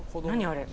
あれ。